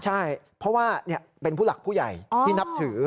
ใช่เพราะว่าเป็นผู้หลักผู้ใหญ่ที่นับถือ